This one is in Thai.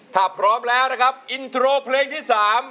ถ้าพร้อมแล้วนะครับอินโทรเพลงที่๓